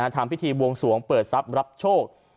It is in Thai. ทำพิธีบวงสวงเปิดทรัพย์รับโชค